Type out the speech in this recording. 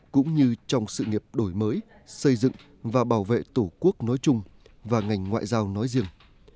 cũng như trong sự nghiệp đổi mới xây dựng và bảo vệ tổ quốc nói chung và ngành ngoại giao nói riêng